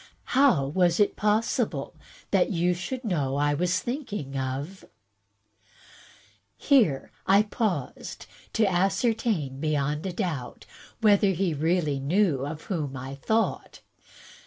How was it possible that you should know I was thinking of —?" Here I paused, to ascertain beyond a doubt whether he really knew of whom I thought.